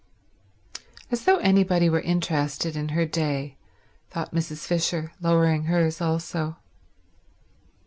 "As though anybody were interested in her day," thought Mrs. Fisher, lowering hers also.